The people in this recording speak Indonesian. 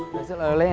masuk lele le enak ya